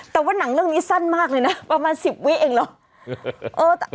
แต่ว่าหนังเรื่องนี้สั้นมากเลยนะประมาณ๑๐วิเองเหรอ